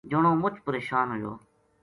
جنو مچ پریشان ہویو